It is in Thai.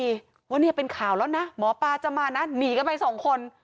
ว่าเนี่ยเป็นข่าวแล้วนะหมอปลาจะมานะหนีกันไปสองคน